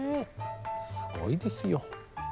すごいですよ。